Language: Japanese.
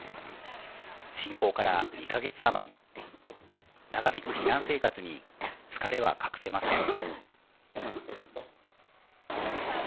侵攻から２か月あまり、長引く避難生活に疲れは隠せません。